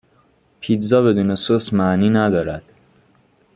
پیتزا بدون سس معنی ندارد